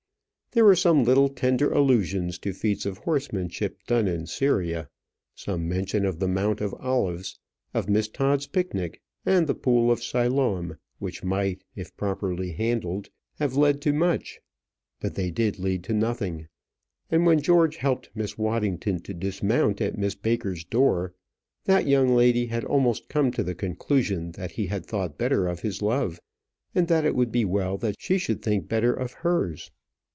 There were some little tender allusions to feats of horsemanship done in Syria, some mention of the Mount of Olives, of Miss Todd's picnic, and the pool of Siloam, which might, if properly handled, have led to much; but they did lead to nothing: and when George helped Miss Waddington to dismount at Miss Baker's door, that young lady had almost come to the conclusion that he had thought better of his love, and that it would be well that she should think better of hers.